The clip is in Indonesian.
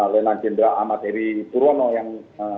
lelah jenderal ahmad eri purwono yang